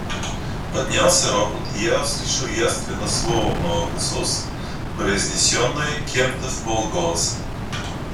Поднялся ропот, и я услышал явственно слово «молокосос», произнесенное кем-то вполголоса.